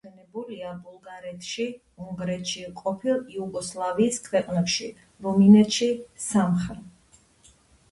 ჯიში მოშენებულია ბულგარეთში, უნგრეთში, ყოფილ იუგოსლავიის ქვეყნებში, რუმინეთში, სამხრ.